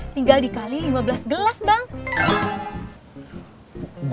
tinggal dikali lima belas gelas bang